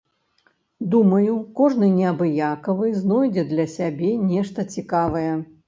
Думаю, кожны неабыякавы знойдзе для сябе нешта цікавае.